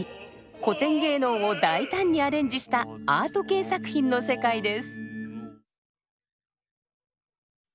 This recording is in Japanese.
古典芸能を大胆にアレンジしたアート系作品の世界です。